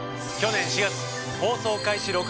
去年４月放送開始